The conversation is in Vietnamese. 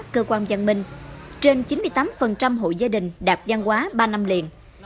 cơ quan gian minh trên chín mươi tám hội gia đình đạt gian hóa ba năm liền